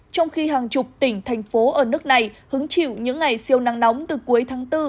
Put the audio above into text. trong khi hàng chục tỉnh thành phố ở nước này hứng chịu những ngày siêu nắng nóng từ cuối tháng bốn